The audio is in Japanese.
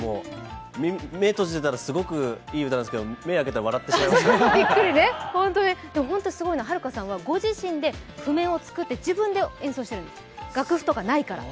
目閉じてたらすごいいい音なんですけど目を開けたら、笑ってしまいましたホントにすごいのは悠香さんがご自身で譜面を作って自分で演奏しているんです、楽譜とかないから。